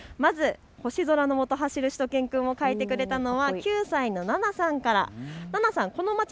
星空のもと、走るしゅと犬くんを描いてくれたのは奈々さんです。